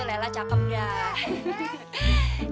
aduh lela cakep dah